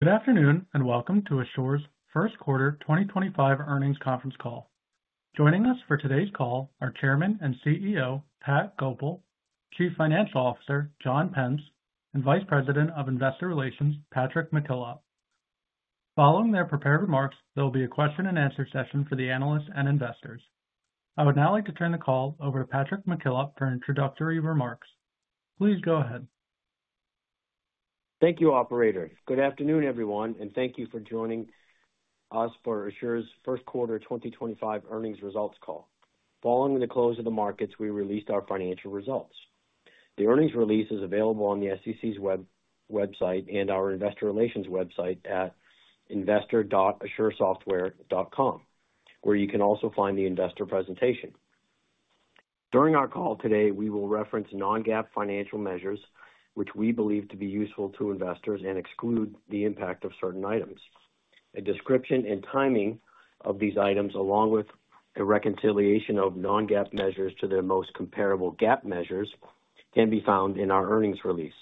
Good afternoon and welcome to Asure's first quarter 2025 earnings conference call. Joining us for today's call are Chairman and CEO Pat Goepel, Chief Financial Officer John Pence, and Vice President of Investor Relations Patrick McKillop. Following their prepared remarks, there will be a question-and-answer session for the analysts and investors. I would now like to turn the call over to Patrick McKillop for introductory remarks. Please go ahead. Thank you, operators. Good afternoon, everyone, and thank you for joining us for Asure's first quarter 2025 earnings results call. Following the close of the markets, we released our financial results. The earnings release is available on the SEC's website and our investor relations website at investor.asuresoftware.com, where you can also find the investor presentation. During our call today, we will reference non-GAAP financial measures, which we believe to be useful to investors and exclude the impact of certain items. A description and timing of these items, along with a reconciliation of non-GAAP measures to their most comparable GAAP measures, can be found in our earnings release.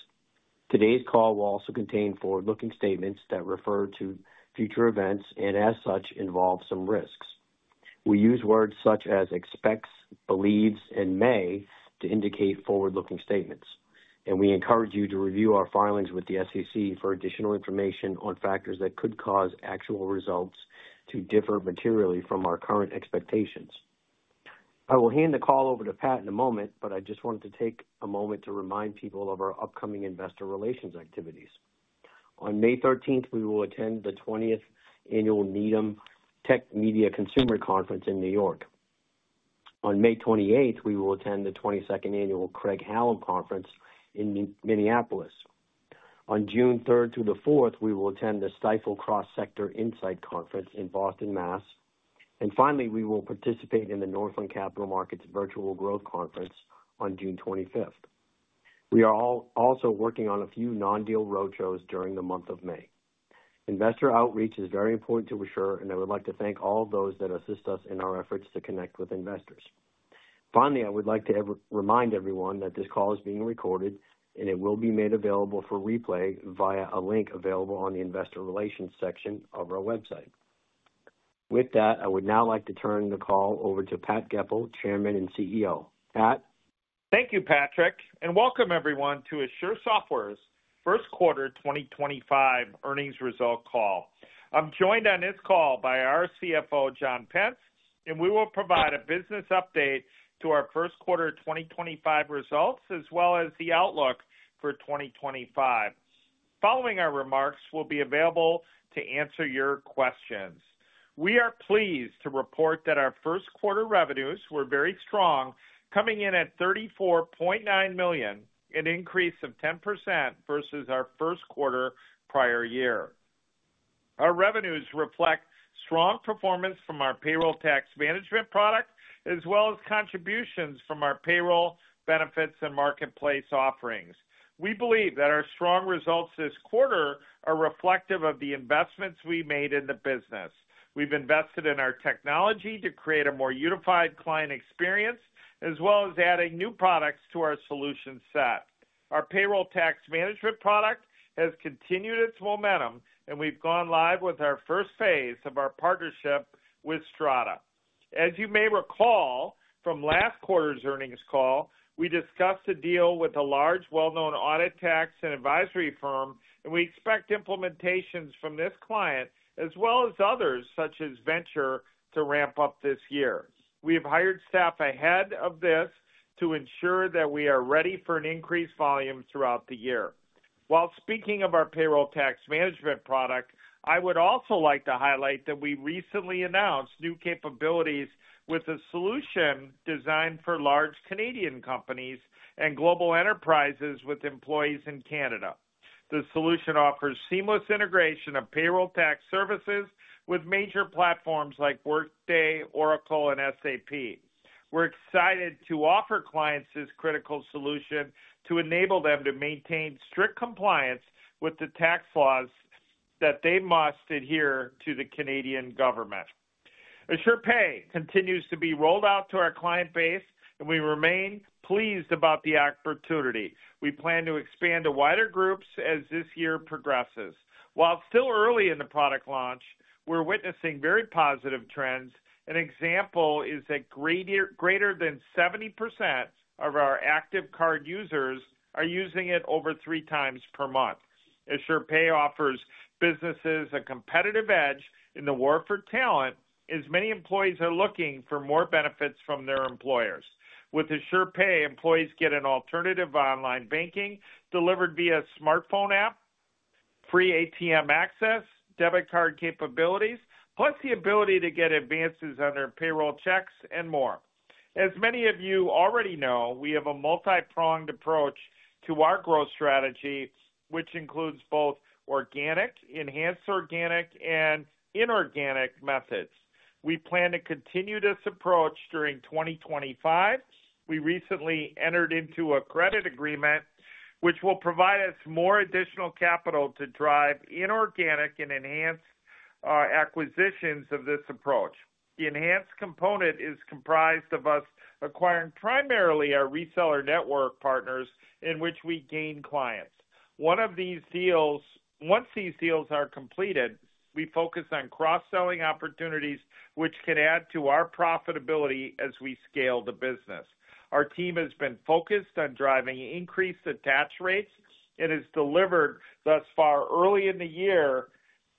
Today's call will also contain forward-looking statements that refer to future events and, as such, involve some risks. We use words such as expects, believes, and may to indicate forward-looking statements, and we encourage you to review our filings with the SEC for additional information on factors that could cause actual results to differ materially from our current expectations. I will hand the call over to Pat in a moment, but I just wanted to take a moment to remind people of our upcoming investor relations activities. On May 13th, we will attend the 20th annual NEOM Tech Media Consumer Conference in New York. On May 28th, we will attend the 22nd annual Craig-Hallum Conference in Minneapolis. On June 3rd through the 4th, we will attend the Stifel Cross-Sector Insight Conference in Boston, Mass. Finally, we will participate in the Northland Capital Markets Virtual Growth Conference on June 25th. We are also working on a few non-deal roadshows during the month of May. Investor outreach is very important to Asure, and I would like to thank all those that assist us in our efforts to connect with investors. Finally, I would like to remind everyone that this call is being recorded, and it will be made available for replay via a link available on the investor relations section of our website. With that, I would now like to turn the call over to Pat Goepel, Chairman and CEO. Pat. Thank you, Patrick, and welcome everyone to Asure Software's first quarter 2025 earnings result call. I'm joined on this call by our CFO, John Pence, and we will provide a business update to our first quarter 2025 results as well as the outlook for 2025. Following our remarks, we'll be available to answer your questions. We are pleased to report that our first quarter revenues were very strong, coming in at $34.9 million, an increase of 10% versus our first quarter prior year. Our revenues reflect strong performance from our payroll tax management product as well as contributions from our payroll benefits and marketplace offerings. We believe that our strong results this quarter are reflective of the investments we made in the business. We've invested in our technology to create a more unified client experience as well as adding new products to our solution set. Our payroll tax management product has continued its momentum, and we've gone live with our first phase of our partnership with Strada. As you may recall from last quarter's earnings call, we discussed a deal with a large well-known audit tax and advisory firm, and we expect implementations from this client as well as others such as Venture to ramp up this year. We have hired staff ahead of this to ensure that we are ready for an increased volume throughout the year. While speaking of our payroll tax management product, I would also like to highlight that we recently announced new capabilities with a solution designed for large Canadian companies and global enterprises with employees in Canada. The solution offers seamless integration of payroll tax services with major platforms like Workday, Oracle, and SAP. We're excited to offer clients this critical solution to enable them to maintain strict compliance with the tax laws that they must adhere to the Canadian government. Asure Pay continues to be rolled out to our client base, and we remain pleased about the opportunity. We plan to expand to wider groups as this year progresses. While still early in the product launch, we're witnessing very positive trends. An example is that greater than 70% of our active card users are using it over three times per month. Asure Pay offers businesses a competitive edge in the war for talent as many employees are looking for more benefits from their employers. With Asure Pay, employees get an alternative online banking delivered via smartphone app, free ATM access, debit card capabilities, plus the ability to get advances on their payroll checks and more. As many of you already know, we have a multi-pronged approach to our growth strategy, which includes both organic, enhanced organic, and inorganic methods. We plan to continue this approach during 2025. We recently entered into a credit agreement, which will provide us more additional capital to drive inorganic and enhanced acquisitions of this approach. The enhanced component is comprised of us acquiring primarily our reseller network partners in which we gain clients. Once these deals are completed, we focus on cross-selling opportunities, which can add to our profitability as we scale the business. Our team has been focused on driving increased attach rates and has delivered thus far early in the year,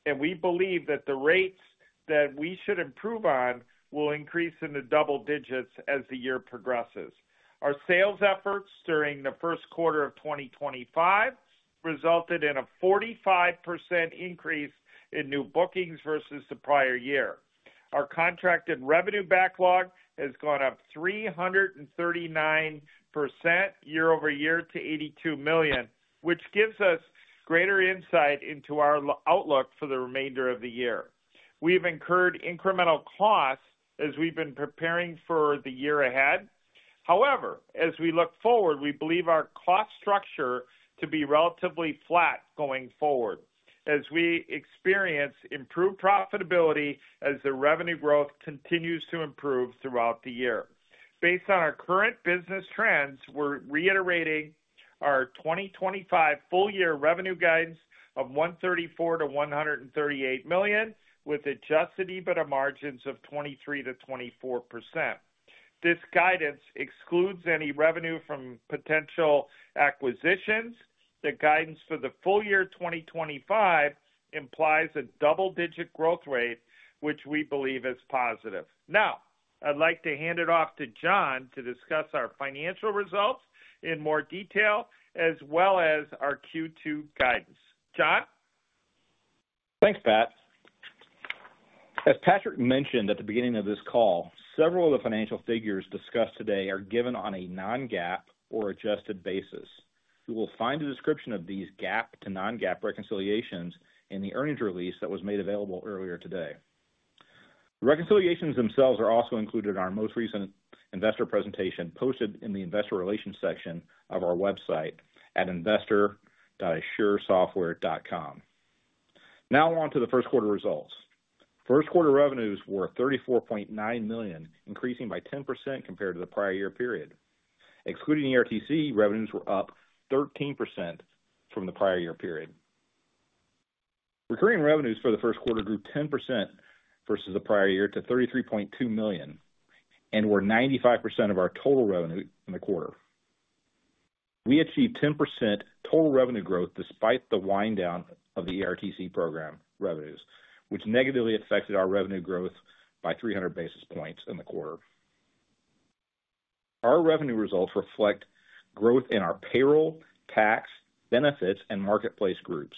and we believe that the rates that we should improve on will increase in the double digits as the year progresses. Our sales efforts during the first quarter of 2025 resulted in a 45% increase in new bookings versus the prior year. Our contracted revenue backlog has gone up 339% year over year to $82 million, which gives us greater insight into our outlook for the remainder of the year. We've incurred incremental costs as we've been preparing for the year ahead. However, as we look forward, we believe our cost structure to be relatively flat going forward as we experience improved profitability as the revenue growth continues to improve throughout the year. Based on our current business trends, we're reiterating our 2025 full year revenue guidance of $134-$138 million, with adjusted EBITDA margins of 23%-24%. This guidance excludes any revenue from potential acquisitions. The guidance for the full year 2025 implies a double-digit growth rate, which we believe is positive. Now, I'd like to hand it off to John to discuss our financial results in more detail as well as our Q2 guidance. John? Thanks, Pat. As Patrick mentioned at the beginning of this call, several of the financial figures discussed today are given on a non-GAAP or adjusted basis. You will find a description of these GAAP to non-GAAP reconciliations in the earnings release that was made available earlier today. The reconciliations themselves are also included in our most recent investor presentation posted in the investor relations section of our website at investor.asuresoftware.com. Now on to the first quarter results. First quarter revenues were $34.9 million, increasing by 10% compared to the prior year period. Excluding ERTC, revenues were up 13% from the prior year period. Recurring revenues for the first quarter grew 10% versus the prior year to $33.2 million and were 95% of our total revenue in the quarter. We achieved 10% total revenue growth despite the wind down of the ERTC program revenues, which negatively affected our revenue growth by 300 basis points in the quarter. Our revenue results reflect growth in our payroll, tax, benefits, and marketplace groups.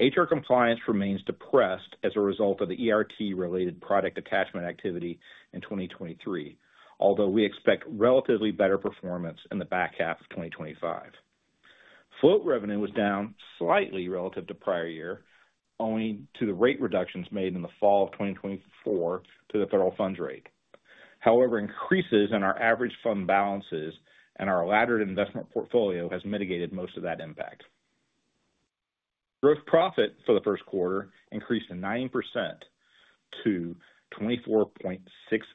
HR compliance remains depressed as a result of the ERT-related product attachment activity in 2023, although we expect relatively better performance in the back half of 2025. Float revenue was down slightly relative to prior year, owing to the rate reductions made in the fall of 2024 to the federal funds rate. However, increases in our average fund balances and our allotted investment portfolio have mitigated most of that impact. Gross profit for the first quarter increased 9% to $24.6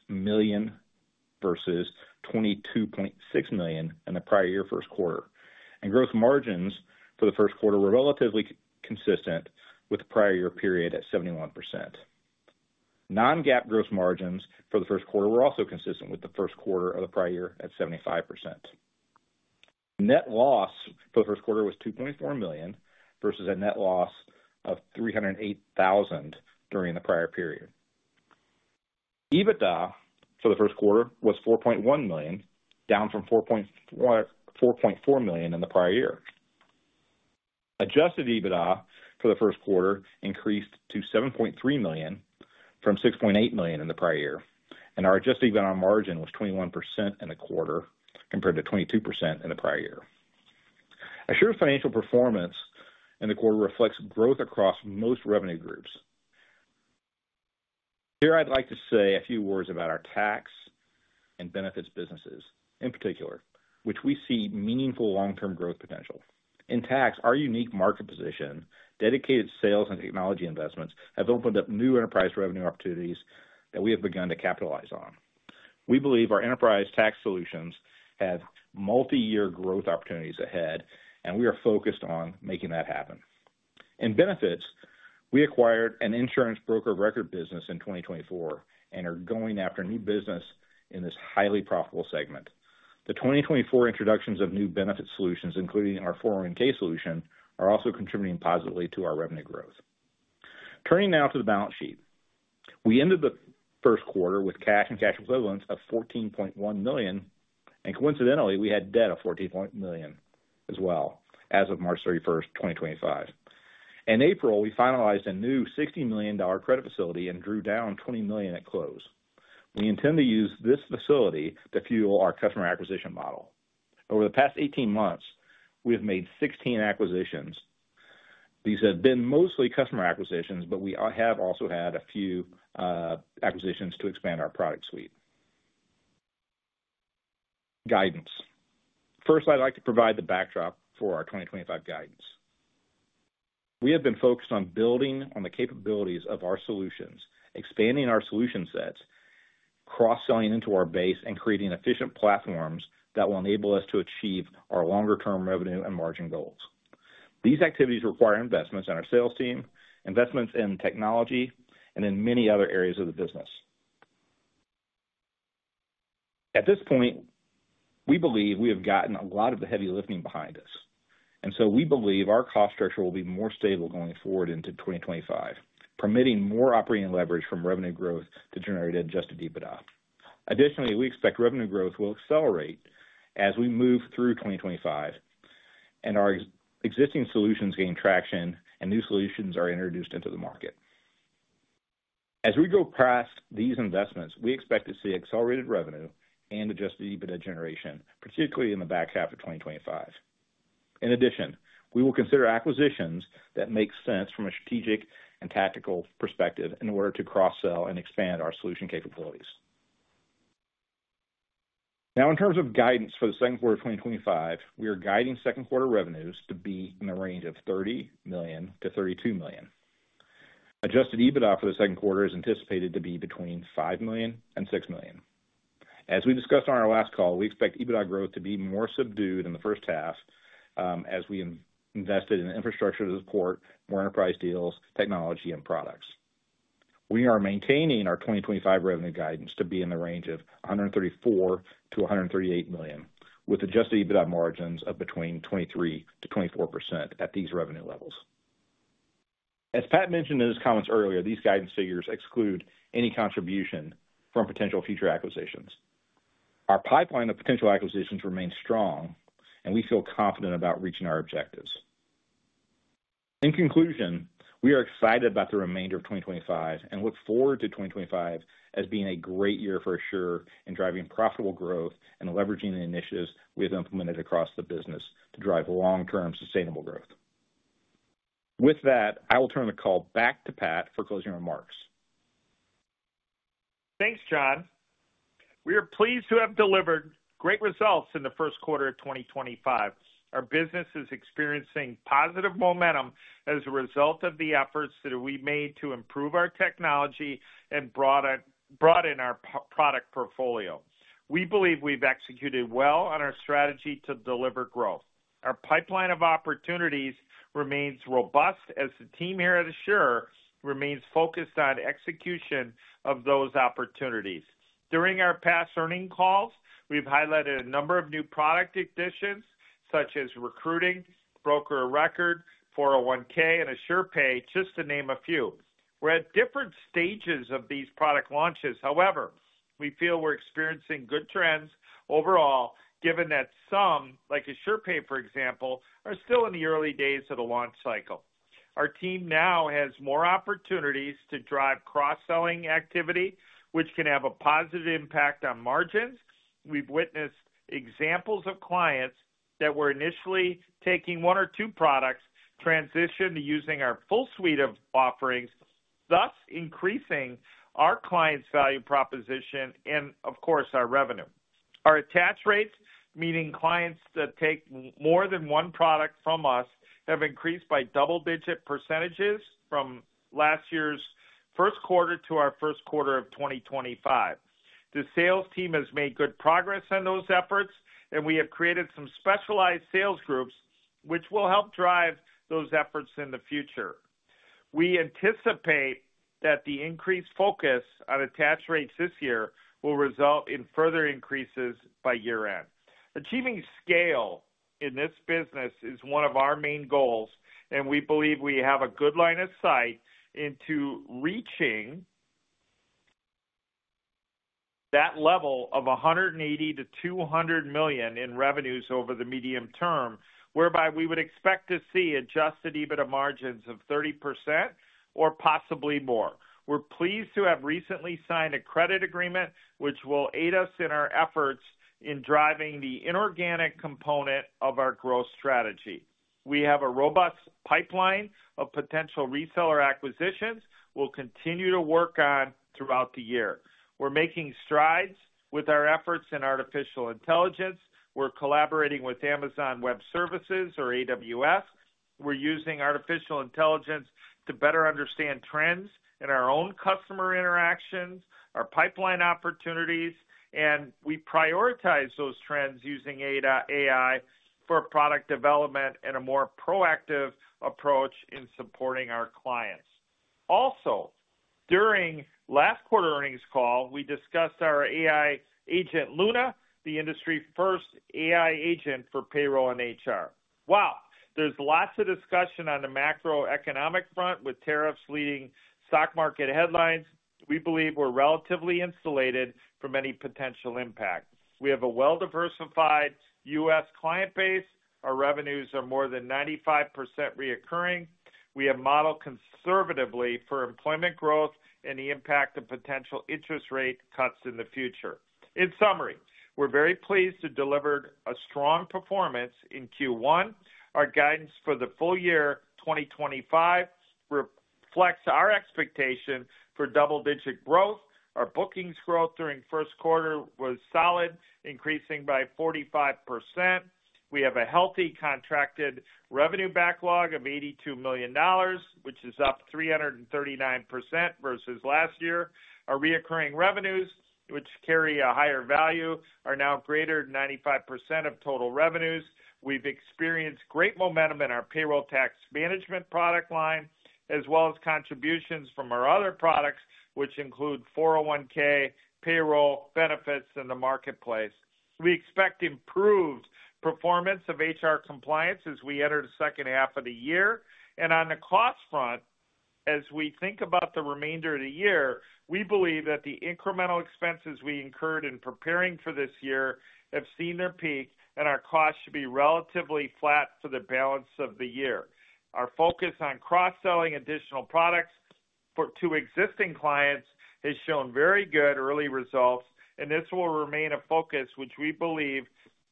million versus $22.6 million in the prior year first quarter. Gross margins for the first quarter were relatively consistent with the prior year period at 71%. Non-GAAP gross margins for the first quarter were also consistent with the first quarter of the prior year at 75%. Net loss for the first quarter was $2.4 million versus a net loss of $308,000 during the prior period. EBITDA for the first quarter was $4.1 million, down from $4.4 million in the prior year. Adjusted EBITDA for the first quarter increased to $7.3 million from $6.8 million in the prior year. Our adjusted EBITDA margin was 21% in the quarter compared to 22% in the prior year. Asure's financial performance in the quarter reflects growth across most revenue groups. Here I'd like to say a few words about our tax and benefits businesses in particular, which we see meaningful long-term growth potential. In tax, our unique market position, dedicated sales and technology investments have opened up new enterprise revenue opportunities that we have begun to capitalize on. We believe our enterprise tax solutions have multi-year growth opportunities ahead, and we are focused on making that happen. In benefits, we acquired an insurance broker record business in 2024 and are going after new business in this highly profitable segment. The 2024 introductions of new benefit solutions, including our 401(k) solution, are also contributing positively to our revenue growth. Turning now to the balance sheet, we ended the first quarter with cash and cash equivalents of $14.1 million, and coincidentally, we had debt of $14.1 million as well as of March 31, 2025. In April, we finalized a new $60 million credit facility and drew down $20 million at close. We intend to use this facility to fuel our customer acquisition model. Over the past 18 months, we have made 16 acquisitions. These have been mostly customer acquisitions, but we have also had a few acquisitions to expand our product suite. Guidance. First, I'd like to provide the backdrop for our 2025 guidance. We have been focused on building on the capabilities of our solutions, expanding our solution sets, cross-selling into our base, and creating efficient platforms that will enable us to achieve our longer-term revenue and margin goals. These activities require investments in our sales team, investments in technology, and in many other areas of the business. At this point, we believe we have gotten a lot of the heavy lifting behind us. We believe our cost structure will be more stable going forward into 2025, permitting more operating leverage from revenue growth to generate adjusted EBITDA. Additionally, we expect revenue growth will accelerate as we move through 2025 and our existing solutions gain traction and new solutions are introduced into the market. As we go past these investments, we expect to see accelerated revenue and adjusted EBITDA generation, particularly in the back half of 2025. In addition, we will consider acquisitions that make sense from a strategic and tactical perspective in order to cross-sell and expand our solution capabilities. Now, in terms of guidance for the second quarter of 2025, we are guiding second quarter revenues to be in the range of $30 million-$32 million. Adjusted EBITDA for the second quarter is anticipated to be between $5 million and $6 million. As we discussed on our last call, we expect EBITDA growth to be more subdued in the first half as we invested in infrastructure to support more enterprise deals, technology, and products. We are maintaining our 2025 revenue guidance to be in the range of $134-$138 million, with adjusted EBITDA margins of between 23%-24% at these revenue levels. As Pat mentioned in his comments earlier, these guidance figures exclude any contribution from potential future acquisitions. Our pipeline of potential acquisitions remains strong, and we feel confident about reaching our objectives. In conclusion, we are excited about the remainder of 2025 and look forward to 2025 as being a great year for Asure in driving profitable growth and leveraging the initiatives we have implemented across the business to drive long-term sustainable growth. With that, I will turn the call back to Pat for closing remarks. Thanks, John. We are pleased to have delivered great results in the first quarter of 2025. Our business is experiencing positive momentum as a result of the efforts that we made to improve our technology and broaden our product portfolio. We believe we've executed well on our strategy to deliver growth. Our pipeline of opportunities remains robust as the team here at Asure remains focused on execution of those opportunities. During our past earning calls, we've highlighted a number of new product additions, such as recruiting, broker record, 401(k), and Asure Pay, just to name a few. We're at different stages of these product launches. However, we feel we're experiencing good trends overall, given that some, like Asure Pay, for example, are still in the early days of the launch cycle. Our team now has more opportunities to drive cross-selling activity, which can have a positive impact on margins. We've witnessed examples of clients that were initially taking one or two products transition to using our full suite of offerings, thus increasing our client's value proposition and, of course, our revenue. Our attach rates, meaning clients that take more than one product from us, have increased by double-digit % from last year's first quarter to our first quarter of 2025. The sales team has made good progress on those efforts, and we have created some specialized sales groups, which will help drive those efforts in the future. We anticipate that the increased focus on attach rates this year will result in further increases by year-end. Achieving scale in this business is one of our main goals, and we believe we have a good line of sight into reaching that level of $180-$200 million in revenues over the medium term, whereby we would expect to see adjusted EBITDA margins of 30% or possibly more. We're pleased to have recently signed a credit agreement, which will aid us in our efforts in driving the inorganic component of our growth strategy. We have a robust pipeline of potential reseller acquisitions we'll continue to work on throughout the year. We're making strides with our efforts in artificial intelligence. We're collaborating with Amazon Web Services, or AWS. We're using artificial intelligence to better understand trends in our own customer interactions, our pipeline opportunities, and we prioritize those trends using AI for product development and a more proactive approach in supporting our clients. Also, during last quarter earnings call, we discussed our AI agent, Luna, the industry's first AI agent for payroll and HR. While there's lots of discussion on the macroeconomic front with tariffs leading stock market headlines, we believe we're relatively insulated from any potential impact. We have a well-diversified U.S. client base. Our revenues are more than 95% recurring. We have modeled conservatively for employment growth and the impact of potential interest rate cuts in the future. In summary, we're very pleased to have delivered a strong performance in Q1. Our guidance for the full year, 2025, reflects our expectation for double-digit growth. Our bookings growth during the first quarter was solid, increasing by 45%. We have a healthy contracted revenue backlog of $82 million, which is up 339% versus last year. Our recurring revenues, which carry a higher value, are now greater than 95% of total revenues. We've experienced great momentum in our payroll tax management product line, as well as contributions from our other products, which include 401(k), payroll, benefits, and the marketplace. We expect improved performance of HR compliance as we enter the second half of the year. On the cost front, as we think about the remainder of the year, we believe that the incremental expenses we incurred in preparing for this year have seen their peak, and our costs should be relatively flat for the balance of the year. Our focus on cross-selling additional products to existing clients has shown very good early results, and this will remain a focus, which we believe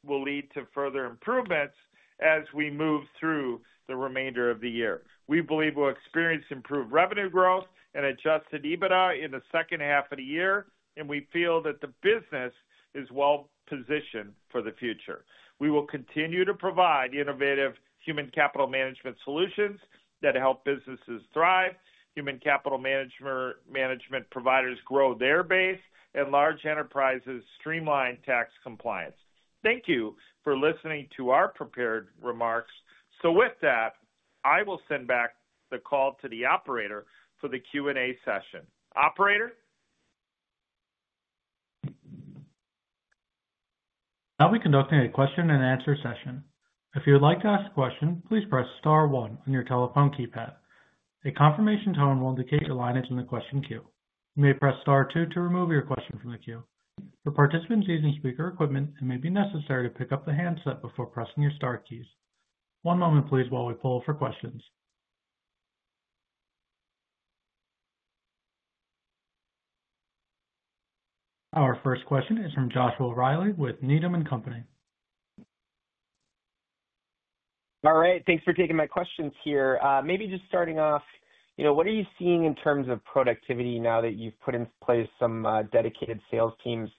will lead to further improvements as we move through the remainder of the year. We believe we'll experience improved revenue growth and adjusted EBITDA in the second half of the year, and we feel that the business is well-positioned for the future. We will continue to provide innovative human capital management solutions that help businesses thrive, human capital management providers grow their base, and large enterprises streamline tax compliance. Thank you for listening to our prepared remarks. I will send back the call to the operator for the Q&A session. Operator. Now we conduct a question and answer session. If you would like to ask a question, please press Star one on your telephone keypad. A confirmation tone will indicate your line is in the question queue. You may press Star two to remove your question from the queue. For participants using speaker equipment, it may be necessary to pick up the handset before pressing your star keys. One moment, please, while we pull for questions. Our first question is from Joshua Reilly with Needham & Company. All right. Thanks for taking my questions here. Maybe just starting off, what are you seeing in terms of productivity now that you've put in place some dedicated sales teams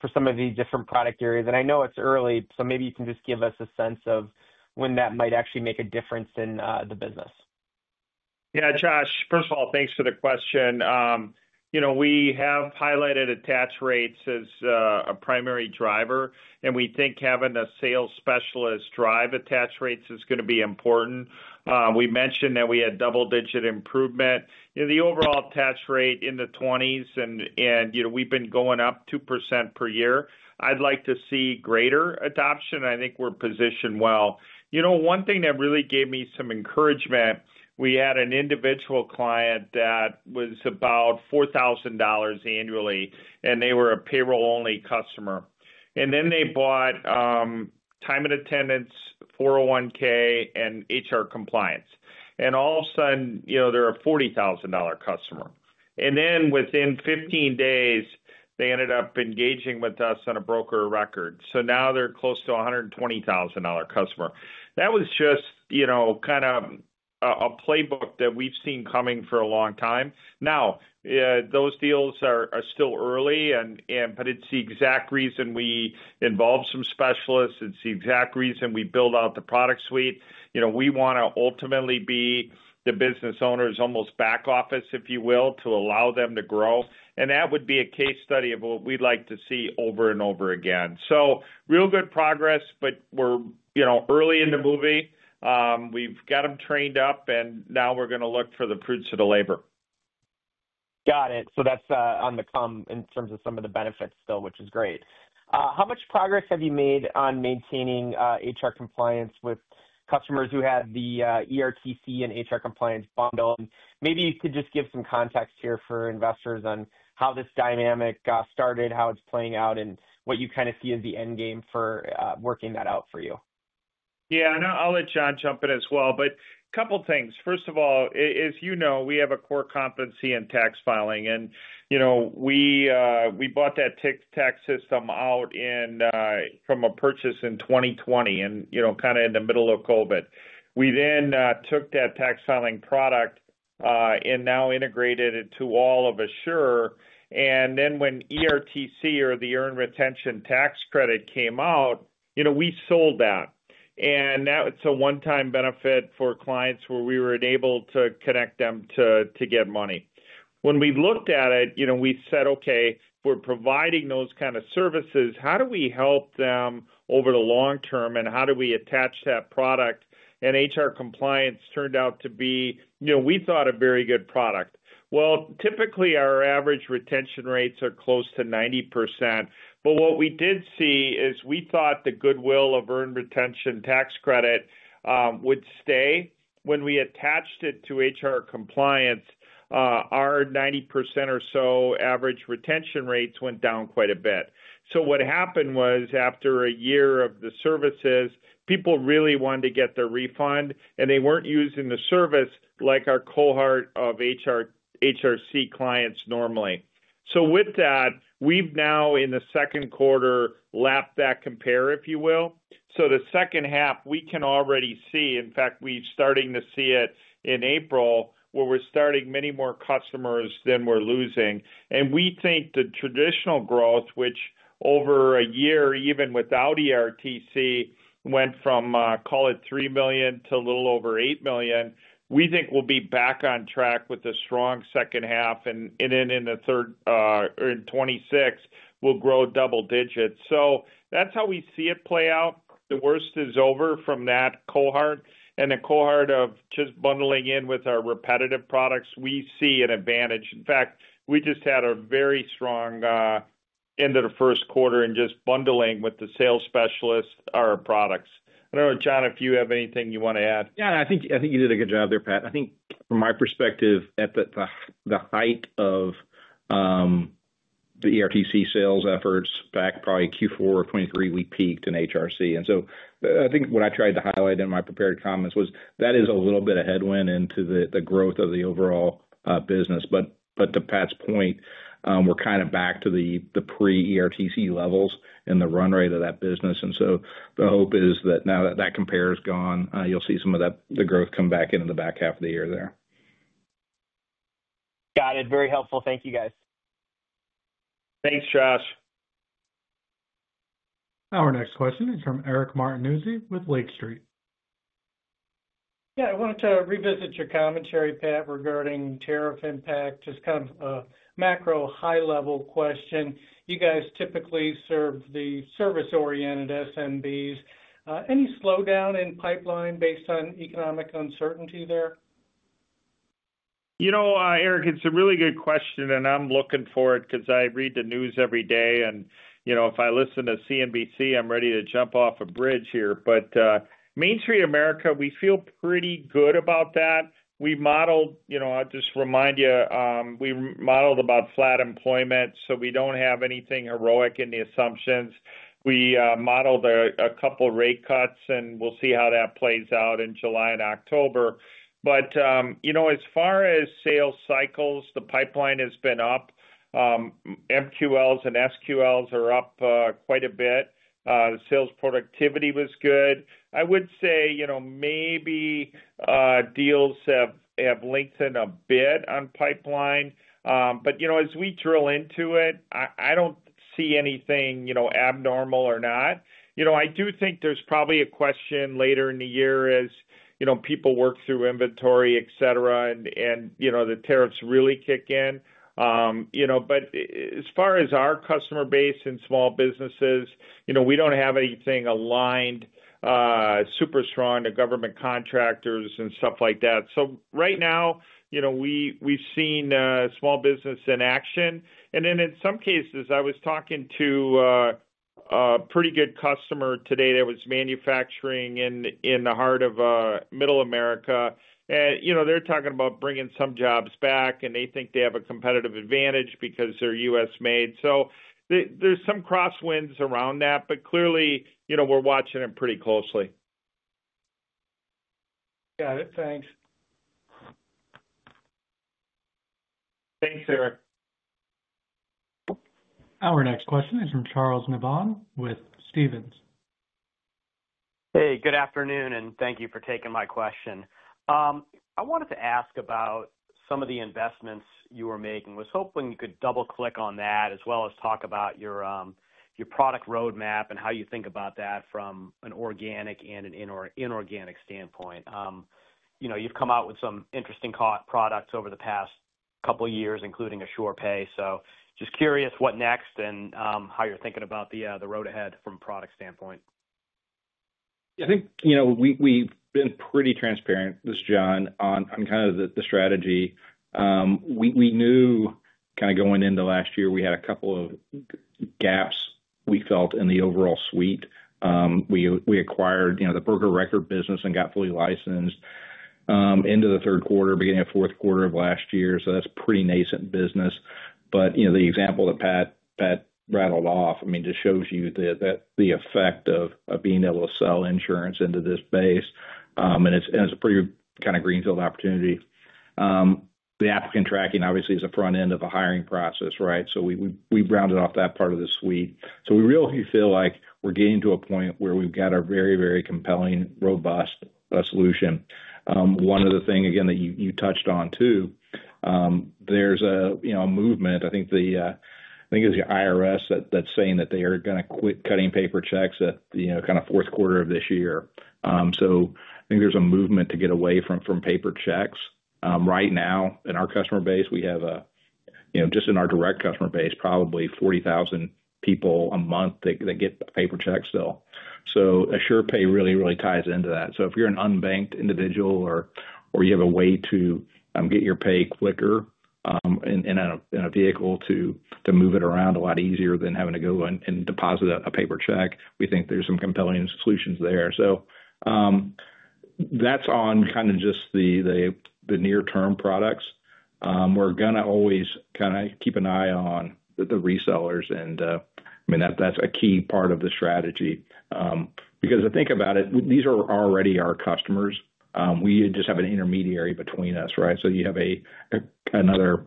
for some of these different product areas? I know it's early, so maybe you can just give us a sense of when that might actually make a difference in the business. Yeah, Josh, first of all, thanks for the question. You know, we have highlighted attach rates as a primary driver, and we think having a sales specialist drive attach rates is going to be important. We mentioned that we had double-digit improvement. The overall attach rate in the 20s, and we've been going up 2% per year. I'd like to see greater adoption, and I think we're positioned well. You know, one thing that really gave me some encouragement, we had an individual client that was about $4,000 annually, and they were a payroll-only customer. They bought time and attendance, 401(k), and HR compliance. All of a sudden, you know, they're a $40,000 customer. Within 15 days, they ended up engaging with us on a broker record. Now they're close to a $120,000 customer. That was just, you know, kind of a playbook that we've seen coming for a long time. Now, those deals are still early, but it's the exact reason we involve some specialists. It's the exact reason we build out the product suite. You know, we want to ultimately be the business owner's almost back office, if you will, to allow them to grow. That would be a case study of what we'd like to see over and over again. Real good progress, but we're, you know, early in the movie. We've got them trained up, and now we're going to look for the fruits of the labor. Got it. So that's on the come in terms of some of the benefits still, which is great. How much progress have you made on maintaining HR compliance with customers who had the ERTC and HR compliance bundle? And maybe you could just give some context here for investors on how this dynamic started, how it's playing out, and what you kind of see as the end game for working that out for you. Yeah, and I'll let John jump in as well. A couple of things. First of all, as you know, we have a core competency in tax filing. You know, we bought that Tick tax system out from a purchase in 2020, you know, kind of in the middle of COVID. We then took that tax filing product and now integrated it to all of Asure. When ERTC, or the Employee Retention Tax Credit, came out, you know, we sold that. Now it's a one-time benefit for clients where we were able to connect them to get money. When we looked at it, you know, we said, "Okay, we're providing those kinds of services. How do we help them over the long term, and how do we attach that product?" HR compliance turned out to be, you know, we thought a very good product. Typically, our average retention rates are close to 90%. What we did see is we thought the goodwill of Earned Retention Tax Credit would stay. When we attached it to HR compliance, our 90% or so average retention rates went down quite a bit. What happened was after a year of the services, people really wanted to get their refund, and they were not using the service like our cohort of HRC clients normally. With that, we have now, in the second quarter, lapped that compare, if you will. The second half, we can already see, in fact, we are starting to see it in April, where we are starting many more customers than we are losing. We think the traditional growth, which over a year, even without ERTC, went from, call it $3 million to a little over $8 million, we think we'll be back on track with a strong second half. In the third, in 2026, we'll grow double digits. That is how we see it play out. The worst is over from that cohort. The cohort of just bundling in with our repetitive products, we see an advantage. In fact, we just had a very strong end of the first quarter in just bundling with the sales specialists, our products. I don't know, John, if you have anything you want to add. Yeah, I think you did a good job there, Pat. I think from my perspective, at the height of the ERTC sales efforts, back probably Q4 of 2023, we peaked in HRC. I think what I tried to highlight in my prepared comments was that is a little bit of headwind into the growth of the overall business. To Pat's point, we're kind of back to the pre-ERTC levels and the run rate of that business. The hope is that now that that compare is gone, you'll see some of the growth come back into the back half of the year there. Got it. Very helpful. Thank you, guys. Thanks, Josh. Our next question is from Eric Martinuzzi with Lake Street. Yeah, I wanted to revisit your commentary, Pat, regarding tariff impact. Just kind of a macro high-level question. You guys typically serve the service-oriented SMBs. Any slowdown in pipeline based on economic uncertainty there? You know, Eric, it's a really good question, and I'm looking for it because I read the news every day. You know, if I listen to CNBC, I'm ready to jump off a bridge here. Main Street America, we feel pretty good about that. We modeled, you know, I'll just remind you, we modeled about flat employment. We don't have anything heroic in the assumptions. We modeled a couple of rate cuts, and we'll see how that plays out in July and October. You know, as far as sales cycles, the pipeline has been up. MQLs and SQLs are up quite a bit. Sales productivity was good. I would say, you know, maybe deals have lengthened a bit on pipeline. You know, as we drill into it, I don't see anything abnormal or not. You know, I do think there's probably a question later in the year as, you know, people work through inventory, etc., and, you know, the tariffs really kick in. You know, as far as our customer base and small businesses, you know, we don't have anything aligned super strong to government contractors and stuff like that. Right now, you know, we've seen small business in action. In some cases, I was talking to a pretty good customer today that was manufacturing in the heart of Middle America. You know, they're talking about bringing some jobs back, and they think they have a competitive advantage because they're U.S.-made. There's some crosswinds around that, but clearly, you know, we're watching them pretty closely. Got it. Thanks. Thanks, Eric. Our next question is from Charles Navon with Stephens. Hey, good afternoon, and thank you for taking my question. I wanted to ask about some of the investments you were making. I was hoping you could double-click on that as well as talk about your product roadmap and how you think about that from an organic and an inorganic standpoint. You know, you've come out with some interesting products over the past couple of years, including Asure Pay. Just curious what next and how you're thinking about the road ahead from a product standpoint. Yeah, I think, you know, we've been pretty transparent, this is John, on kind of the strategy. We knew kind of going into last year we had a couple of gaps we felt in the overall suite. We acquired, you know, the broker record business and got fully licensed into the third quarter, beginning of fourth quarter of last year. That is a pretty nascent business. You know, the example that Pat rattled off, I mean, just shows you the effect of being able to sell insurance into this base. It is a pretty kind of greenfield opportunity. The applicant tracking, obviously, is a front end of a hiring process, right? We rounded off that part of the suite. We really feel like we're getting to a point where we've got a very, very compelling, robust solution. One other thing, again, that you touched on too, there's a movement, I think it was the IRS that's saying that they are going to quit cutting paper checks at, you know, kind of fourth quarter of this year. I think there's a movement to get away from paper checks. Right now, in our customer base, we have, you know, just in our direct customer base, probably 40,000 people a month that get paper checks still. So Asure Pay really, really ties into that. If you're an unbanked individual or you have a way to get your pay quicker in a vehicle to move it around a lot easier than having to go and deposit a paper check, we think there's some compelling solutions there. That's on kind of just the near-term products. We're going to always kind of keep an eye on the resellers. I mean, that's a key part of the strategy. Because I think about it, these are already our customers. We just have an intermediary between us, right? You have another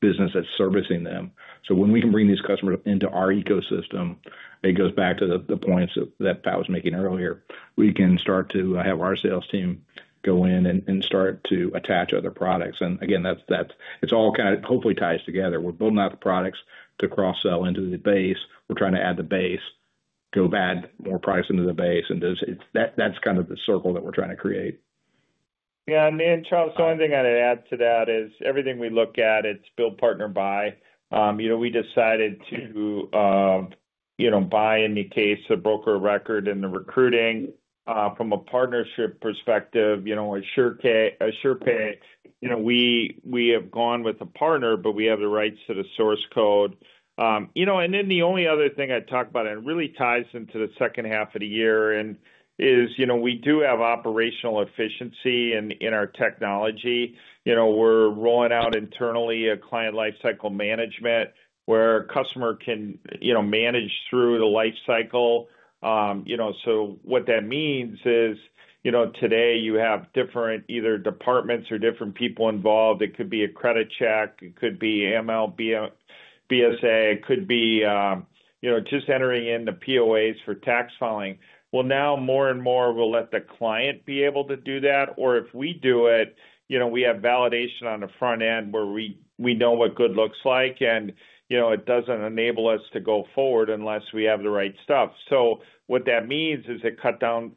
business that's servicing them. When we can bring these customers into our ecosystem, it goes back to the points that Pat was making earlier. We can start to have our sales team go in and start to attach other products. Again, it all kind of hopefully ties together. We're building out the products to cross-sell into the base. We're trying to add the base, go add more products into the base. That's kind of the circle that we're trying to create. Yeah. Charles, the only thing I'd add to that is everything we look at, it's build, partner, buy. You know, we decided to, you know, buy in the case of broker record and the recruiting. From a partnership perspective, you know, Asure Pay, you know, we have gone with a partner, but we have the rights to the source code. You know, and then the only other thing I'd talk about, and it really ties into the second half of the year, is, you know, we do have operational efficiency in our technology. You know, we're rolling out internally a client lifecycle management where a customer can, you know, manage through the lifecycle. You know, so what that means is, you know, today you have different either departments or different people involved. It could be a credit check. It could be MLBSA. It could be, you know, just entering in the POAs for tax filing. Now more and more we'll let the client be able to do that. Or if we do it, you know, we have validation on the front end where we know what good looks like. And, you know, it doesn't enable us to go forward unless we have the right stuff. What that means is it cuts down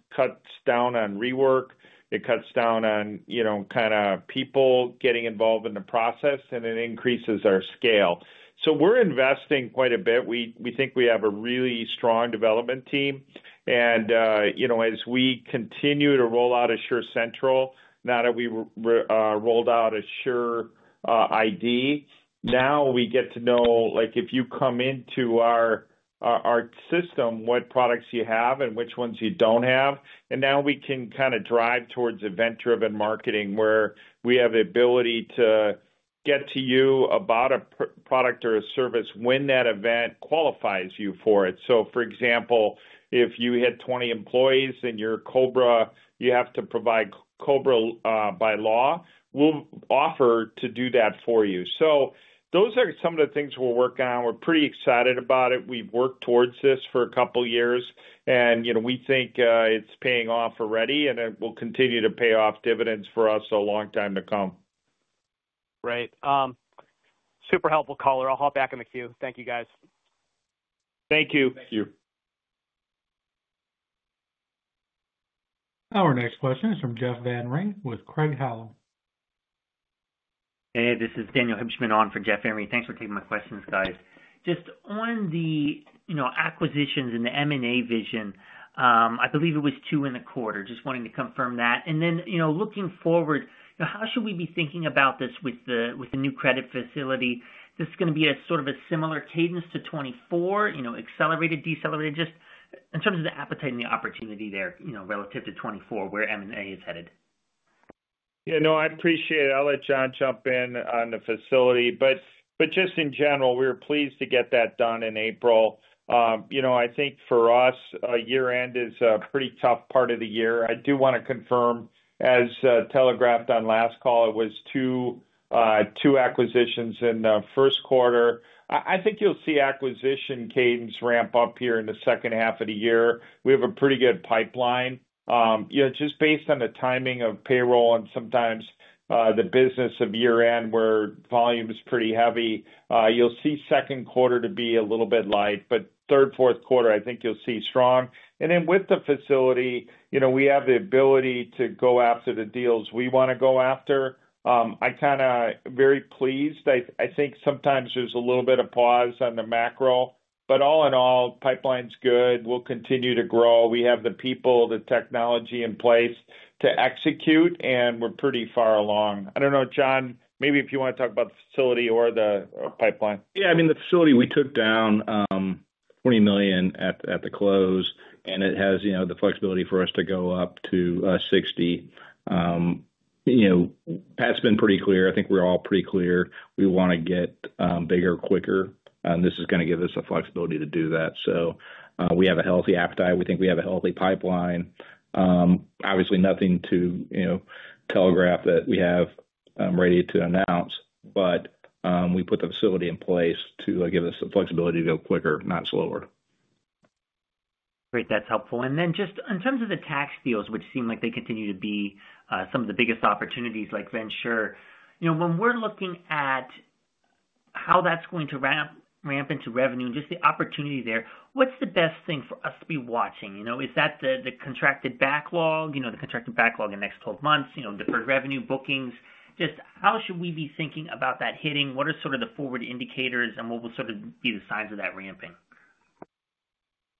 on rework. It cuts down on, you know, kind of people getting involved in the process, and it increases our scale. We are investing quite a bit. We think we have a really strong development team. You know, as we continue to roll out Asure Central, now that we rolled out Asure ID, now we get to know, like, if you come into our system, what products you have and which ones you don't have. We can kind of drive towards event-driven marketing where we have the ability to get to you about a product or a service when that event qualifies you for it. For example, if you had 20 employees and you're COBRA, you have to provide COBRA by law, we'll offer to do that for you. Those are some of the things we're working on. We're pretty excited about it. We've worked towards this for a couple of years. You know, we think it's paying off already, and it will continue to pay off dividends for us a long time to come. Great. Super helpful caller. I'll hop back in the queue. Thank you, guys. Thank you. Thank you. Our next question is from Jeff Van Ring with Craig-Hallum. Hey, this is Daniel Hibshman on for Jeff Van Ring. Thanks for taking my questions, guys. Just on the, you know, acquisitions and the M&A vision, I believe it was two in the quarter. Just wanting to confirm that. You know, looking forward, you know, how should we be thinking about this with the new credit facility? This is going to be a sort of a similar cadence to 2024, you know, accelerated, decelerated, just in terms of the appetite and the opportunity there, you know, relative to 2024, where M&A is headed. Yeah, no, I appreciate it. I'll let John jump in on the facility. Just in general, we're pleased to get that done in April. I think for us, year-end is a pretty tough part of the year. I do want to confirm, as telegraphed on last call, it was two acquisitions in the first quarter. I think you'll see acquisition cadence ramp up here in the second half of the year. We have a pretty good pipeline. Just based on the timing of payroll and sometimes the business of year-end, where volume is pretty heavy, you'll see second quarter to be a little bit light. Third, fourth quarter, I think you'll see strong. With the facility, we have the ability to go after the deals we want to go after. I kind of am very pleased. I think sometimes there's a little bit of pause on the macro. All in all, pipeline's good. We'll continue to grow. We have the people, the technology in place to execute, and we're pretty far along. I don't know, John, maybe if you want to talk about the facility or the pipeline. Yeah, I mean, the facility, we took down $20 million at the close. And it has, you know, the flexibility for us to go up to $60. You know, Pat's been pretty clear. I think we're all pretty clear. We want to get bigger, quicker. And this is going to give us the flexibility to do that. So we have a healthy appetite. We think we have a healthy pipeline. Obviously, nothing to, you know, telegraph that we have ready to announce. But we put the facility in place to give us the flexibility to go quicker, not slower. Great. That's helpful. And then just in terms of the tax deals, which seem like they continue to be some of the biggest opportunities like Venture, you know, when we're looking at how that's going to ramp into revenue and just the opportunity there, what's the best thing for us to be watching? You know, is that the contracted backlog, you know, the contracted backlog in the next 12 months, you know, deferred revenue bookings? Just how should we be thinking about that hitting? What are sort of the forward indicators, and what will sort of be the signs of that ramping?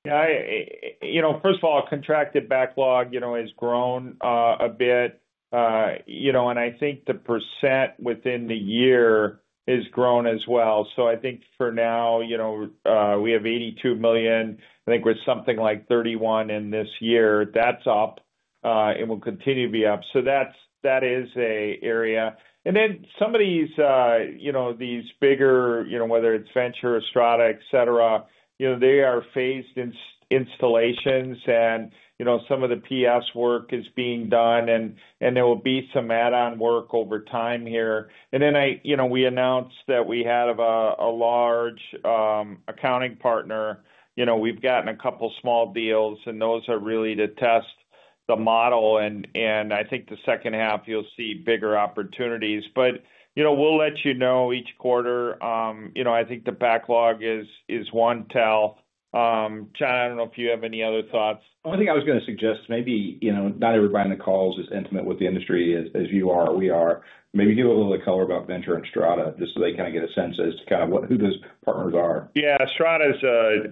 Yeah, you know, first of all, contracted backlog, you know, has grown a bit. You know, and I think the percent within the year has grown as well. I think for now, you know, we have $82 million. I think we're something like $31 million in this year. That's up, and will continue to be up. That is an area. Some of these, you know, these bigger, you know, whether it's Venture, Strada, etc., you know, they are phased installations. You know, some of the PS work is being done. There will be some add-on work over time here. I, you know, we announced that we have a large accounting partner. You know, we've gotten a couple of small deals, and those are really to test the model. I think the second half, you'll see bigger opportunities. You know, we'll let you know each quarter. You know, I think the backlog is one tell. John, I don't know if you have any other thoughts. I think I was going to suggest maybe, you know, not everybody on the calls is intimate with the industry as you are, we are. Maybe give a little color about Venture and Strada just so they kind of get a sense as to kind of what who those partners are. Yeah, Strada is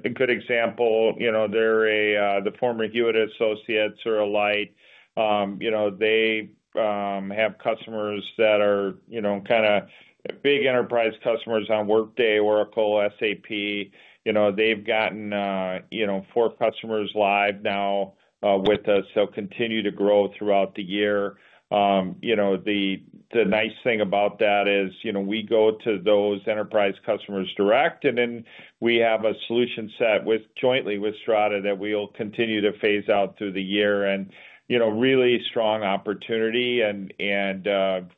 a good example. You know, they're the former Hewitt Associates, are a light. You know, they have customers that are, you know, kind of big enterprise customers on Workday, Oracle, SAP. You know, they've gotten, you know, four customers live now with us. They'll continue to grow throughout the year. You know, the nice thing about that is, you know, we go to those enterprise customers direct, and then we have a solution set jointly with Strada that we'll continue to phase out through the year. You know, really strong opportunity and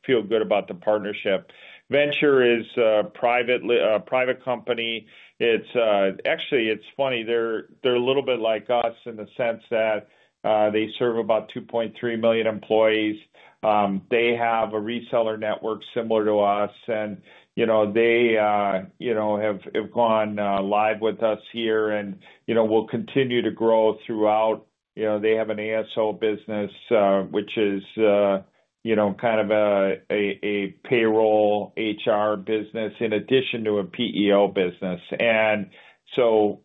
feel good about the partnership. Venture is a private company. It's actually, it's funny. They're a little bit like us in the sense that they serve about 2.3 million employees. They have a reseller network similar to us. And, you know, they, you know, have gone live with us here. You know, we'll continue to grow throughout. You know, they have an ASO business, which is, you know, kind of a payroll HR business in addition to a PEO business.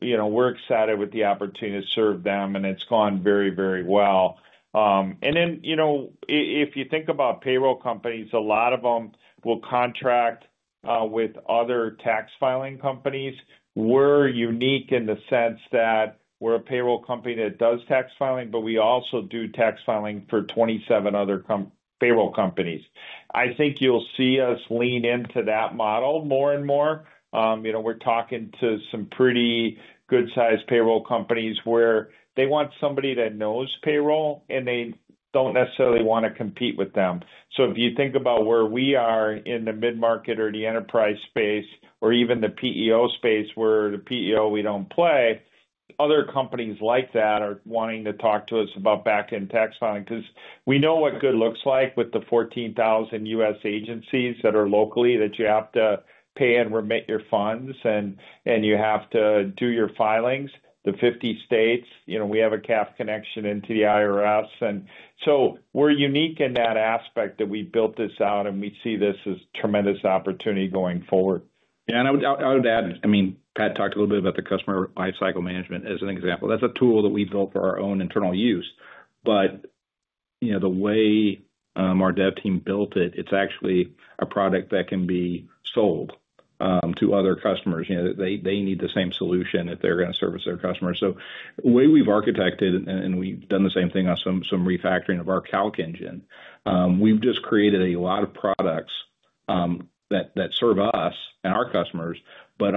You know, we're excited with the opportunity to serve them. It's gone very, very well. You know, if you think about payroll companies, a lot of them will contract with other tax filing companies. We're unique in the sense that we're a payroll company that does tax filing, but we also do tax filing for 27 other payroll companies. I think you'll see us lean into that model more and more. You know, we're talking to some pretty good-sized payroll companies where they want somebody that knows payroll, and they don't necessarily want to compete with them. If you think about where we are in the mid-market or the enterprise space or even the PEO space, where the PEO we do not play, other companies like that are wanting to talk to us about back-end tax filing because we know what good looks like with the 14,000 U.S. agencies that are locally that you have to pay and remit your funds, and you have to do your filings in the 50 states. You know, we have a CAF connection into the IRS. And so we are unique in that aspect that we built this out, and we see this as a tremendous opportunity going forward. Yeah. I would add, I mean, Pat talked a little bit about the customer lifecycle management as an example. That's a tool that we built for our own internal use. But, you know, the way our dev team built it, it's actually a product that can be sold to other customers. You know, they need the same solution if they're going to service their customers. The way we've architected and we've done the same thing on some refactoring of our Calc Engines, we've just created a lot of products that serve us and our customers, but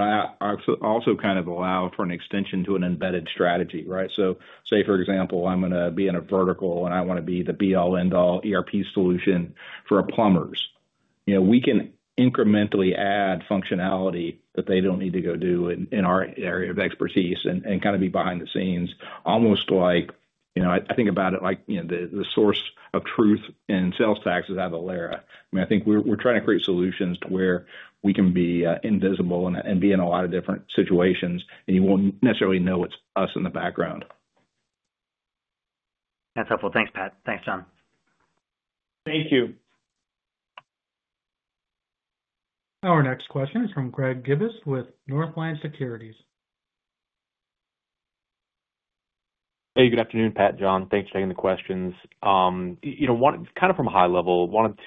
also kind of allow for an extension to an embedded strategy, right? Say, for example, I'm going to be in a vertical, and I want to be the be-all, end-all ERP solution for a plumber's. You know, we can incrementally add functionality that they don't need to go do in our area of expertise and kind of be behind the scenes. Almost like, you know, I think about it like, you know, the source of truth in sales tax is Avalara. I mean, I think we're trying to create solutions where we can be invisible and be in a lot of different situations, and you won't necessarily know it's us in the background. That's helpful. Thanks, Pat. Thanks, John. Thank you. Our next question is from Greg Gibas with Northland Securities. Hey, good afternoon, Pat, John. Thanks for taking the questions. You know, kind of from a high level, wanted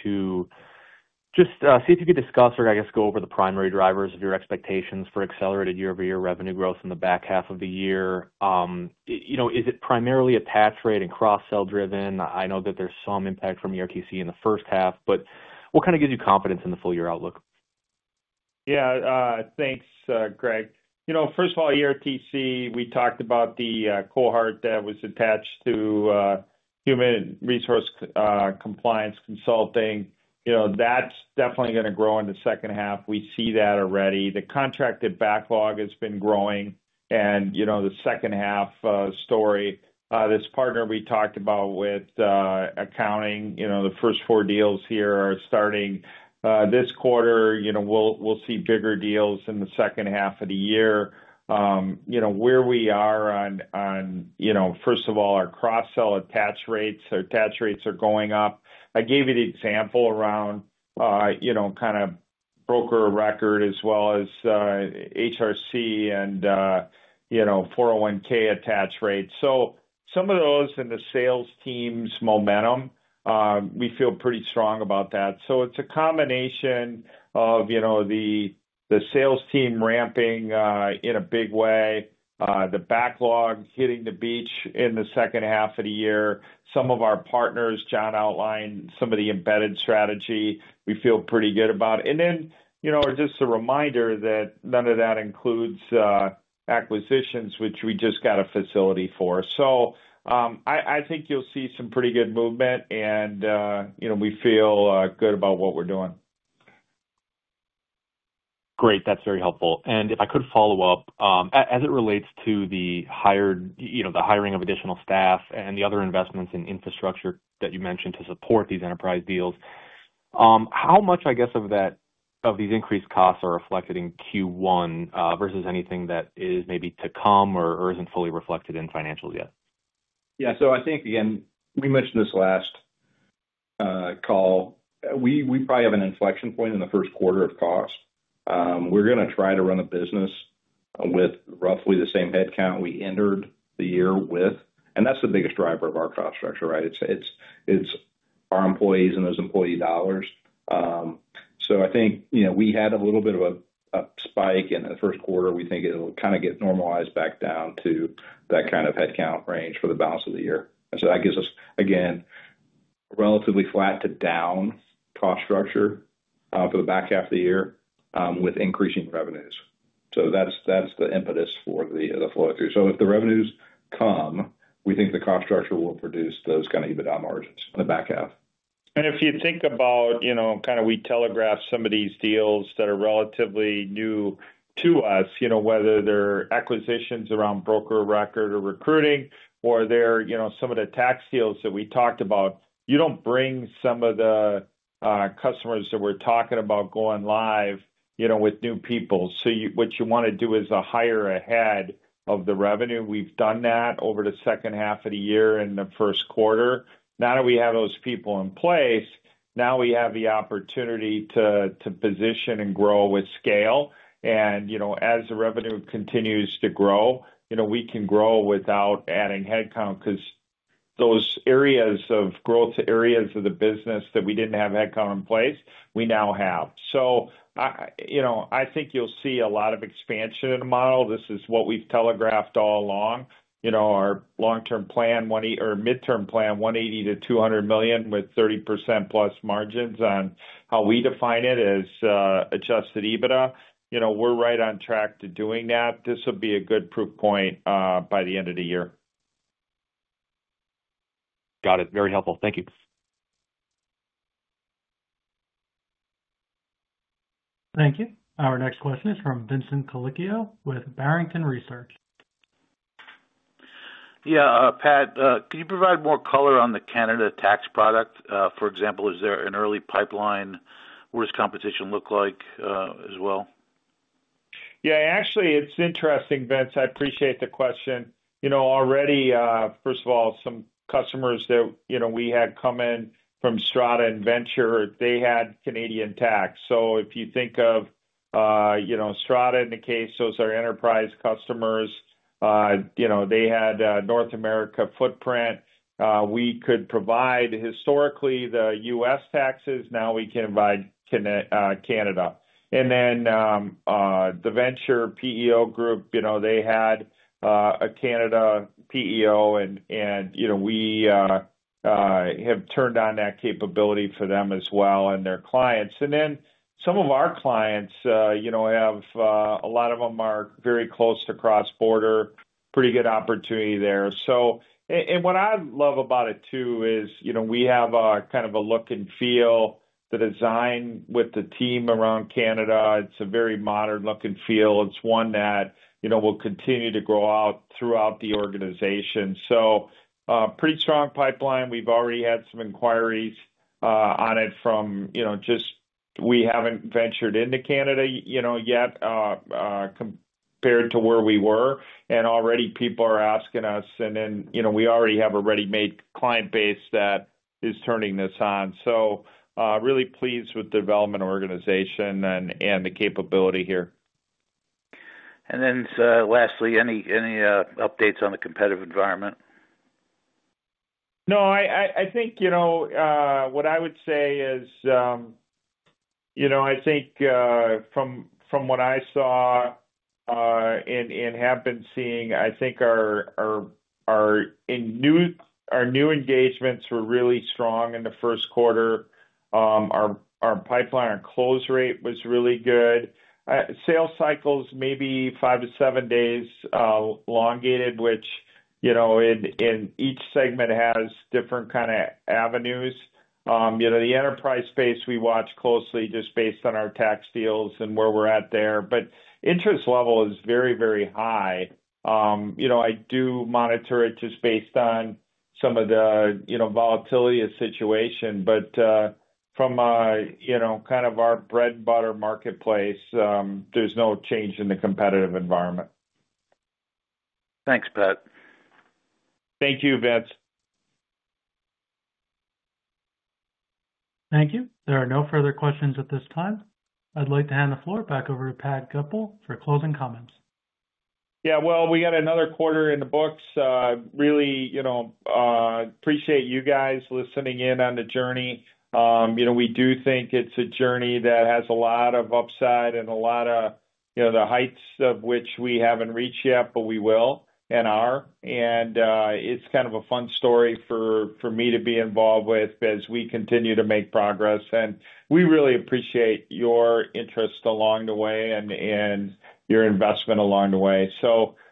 to just see if you could discuss or, I guess, go over the primary drivers of your expectations for accelerated year-over-year revenue growth in the back half of the year. You know, is it primarily a tax rate and cross-sell driven? I know that there's some impact from ERTC in the first half, but what kind of gives you confidence in the full-year outlook? Yeah, thanks, Greg. You know, first of all, ERTC, we talked about the cohort that was attached to human resource compliance consulting. You know, that's definitely going to grow in the second half. We see that already. The contracted backlog has been growing. You know, the second half story, this partner we talked about with accounting, you know, the first four deals here are starting this quarter. You know, we'll see bigger deals in the second half of the year. You know, where we are on, you know, first of all, our cross-sell attach rates, our attach rates are going up. I gave you the example around, you know, kind of broker record as well as HRC and, you know, 401(k) attach rates. Some of those in the sales team's momentum, we feel pretty strong about that. It is a combination of, you know, the sales team ramping in a big way, the backlog hitting the beach in the second half of the year. Some of our partners, John outlined some of the embedded strategy. We feel pretty good about it. And then, you know, just a reminder that none of that includes acquisitions, which we just got a facility for. I think you'll see some pretty good movement, and, you know, we feel good about what we're doing. Great. That's very helpful. If I could follow up, as it relates to the hiring of additional staff and the other investments in infrastructure that you mentioned to support these enterprise deals, how much, I guess, of these increased costs are reflected in Q1 versus anything that is maybe to come or isn't fully reflected in financials yet? Yeah. So I think, again, we mentioned this last call. We probably have an inflection point in the first quarter of cost. We're going to try to run a business with roughly the same headcount we entered the year with. And that's the biggest driver of our cost structure, right? It's our employees and those employee dollars. So I think, you know, we had a little bit of a spike in the first quarter. We think it'll kind of get normalized back down to that kind of headcount range for the balance of the year. So that gives us, again, relatively flat to down cost structure for the back half of the year with increasing revenues. So that's the impetus for the flow through. So if the revenues come, we think the cost structure will produce those kind of EBITDA margins in the back half. If you think about, you know, kind of we telegraphed some of these deals that are relatively new to us, you know, whether they're acquisitions around broker record or recruiting, or they're, you know, some of the tax deals that we talked about, you bring some of the customers that we're talking about going live, you know, with new people. What you want to do is hire ahead of the revenue. We've done that over the second half of the year and the first quarter. Now that we have those people in place, now we have the opportunity to position and grow with scale. You know, as the revenue continues to grow, you know, we can grow without adding headcount because those areas of growth, areas of the business that we didn't have headcount in place, we now have. You know, I think you'll see a lot of expansion in the model. This is what we've telegraphed all along. You know, our long-term plan, or midterm plan, $180-$200 million with 30%+ margins on how we define it as adjusted EBITDA. You know, we're right on track to doing that. This will be a good proof point by the end of the year. Got it. Very helpful. Thank you. Thank you. Our next question is from Vincent Colicchio with Barrington Research. Yeah, Pat, could you provide more color on the Canada tax product? For example, is there an early pipeline? What does competition look like as well? Yeah, actually, it's interesting, Vince. I appreciate the question. You know, already, first of all, some customers that, you know, we had come in from Strada and Venture, they had Canadian tax. So if you think of, you know, Strada in the case, those are enterprise customers. You know, they had North America footprint. We could provide historically the U.S. taxes. Now we can provide Canada. And then the Venture PEO group, you know, they had a Canada PEO. You know, we have turned on that capability for them as well and their clients. Some of our clients, you know, have a lot of them are very close to cross-border, pretty good opportunity there. What I love about it too is, you know, we have kind of a look and feel, the design with the team around Canada. It's a very modern look and feel. It's one that, you know, will continue to grow out throughout the organization. Pretty strong pipeline. We've already had some inquiries on it from, you know, just we haven't ventured into Canada, you know, yet compared to where we were. Already people are asking us. You know, we already have a ready-made client base that is turning this on. Really pleased with the development organization and the capability here. Lastly, any updates on the competitive environment? No, I think, you know, what I would say is, you know, I think from what I saw and have been seeing, I think our new engagements were really strong in the first quarter. Our pipeline and close rate was really good. Sales cycles maybe five to seven days elongated, which, you know, in each segment has different kind of avenues. You know, the enterprise space we watch closely just based on our tax deals and where we're at there. Interest level is very, very high. You know, I do monitor it just based on some of the, you know, volatility of the situation. From, you know, kind of our bread-and-butter marketplace, there's no change in the competitive environment. Thanks, Pat. Thank you, Vince. Thank you. There are no further questions at this time. I'd like to hand the floor back over to Pat Goepel for closing comments. Yeah, we got another quarter in the books. Really, you know, appreciate you guys listening in on the journey. You know, we do think it's a journey that has a lot of upside and a lot of, you know, the heights of which we haven't reached yet, but we will and are. It's kind of a fun story for me to be involved with as we continue to make progress. We really appreciate your interest along the way and your investment along the way.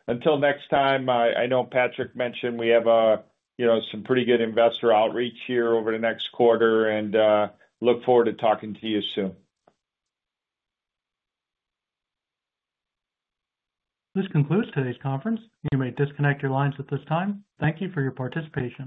Until next time, I know Patrick mentioned we have, you know, some pretty good investor outreach here over the next quarter, and look forward to talking to you soon. This concludes today's conference. You may disconnect your lines at this time. Thank you for your participation.